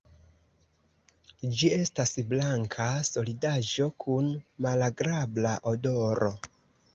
Ĝi estas blanka solidaĵo kun malagrabla odoro.